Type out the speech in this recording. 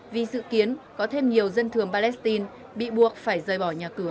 vì dự kiến có thêm nhiều dân thường palestine bị buộc phải rời bỏ nhà cửa